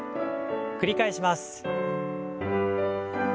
繰り返します。